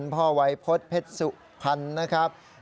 พ่อวัยพฤษเพชรสุพรรณนะครับ